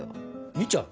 見ちゃう？